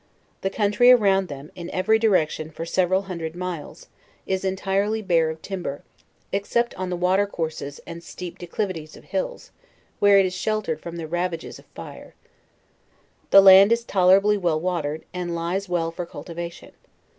The country around them, in every direction for several hundred miles, is entire ly bare of timber, except on the watercourses and steep de clivities of hills, where it is sheltered from the ravages of fire. The land is tolerably well watered, and lies well for cultivation.